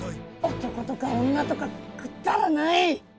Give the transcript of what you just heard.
男とか女とかくだらない！